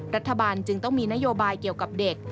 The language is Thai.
รัฐบาลจึงต้องมีนโยบายเกี่ยวกับเด็ก